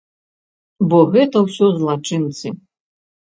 Бо гэта ўсе злачынцы.